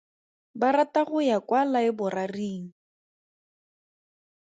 Ba rata go ya kwa laeboraring.